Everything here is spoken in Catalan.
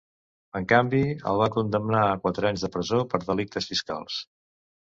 En canvi, el va condemnar a quatre anys de presó pels delictes fiscals.